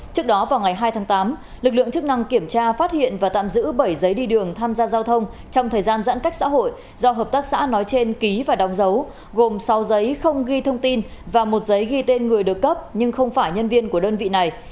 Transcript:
trước đó vào ngày hai tháng tám lực lượng chức năng kiểm tra phát hiện và tạm giữ bảy giấy đi đường tham gia giao thông trong thời gian giãn cách xã hội do hợp tác xã nói trên ký và đóng dấu gồm sáu giấy không ghi thông tin và một giấy ghi tên người được cấp nhưng không phải nhân viên của đơn vị này